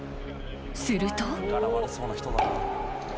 ［すると］